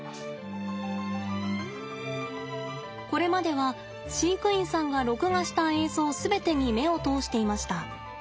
これまでは飼育員さんが録画した映像全てに目を通していました。